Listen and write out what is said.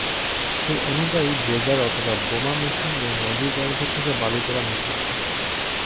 সে অনুযায়ী ড্রেজার অথবা বোমা মেশিন দিয়ে নদীগর্ভ থেকে বালু তোলা নিষিদ্ধ।